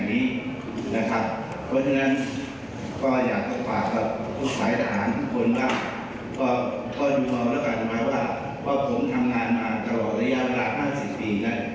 ๕๐ปีแล้วยังทำงานมายังไง